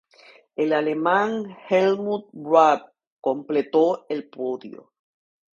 El alemán Helmut Bradl completó el podio.